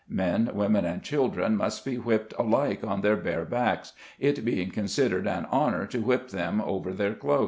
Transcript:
Men, women and children must be whipped alike on their bare backs, it being consid ered an honor to whip them over their clothes.